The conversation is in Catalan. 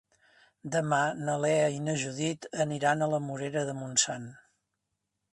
Demà na Lea i na Judit aniran a la Morera de Montsant.